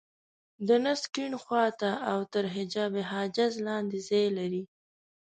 د نس کيڼ خوا ته او تر حجاب حاجز لاندې ځای لري.